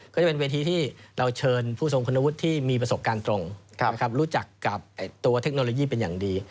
ก็จะเป็นเวทีที่เราเชิญผู้ทรงคุณวุฒิที่มีประสบการณ์ตรงรู้จักกับตัวเทคโนโลยีเป็นอย่างดี